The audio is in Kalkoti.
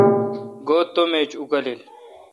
گو تم ایج اکالیل